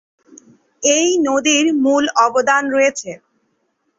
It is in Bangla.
এই নদীর মূল অবদান রয়েছে।